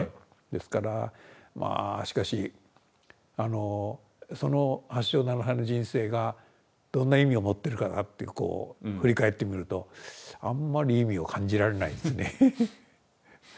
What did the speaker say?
ですからまあしかしその８勝７敗の人生がどんな意味を持っているかなってこう振り返ってみるとあんまり意味を感じられないんですね。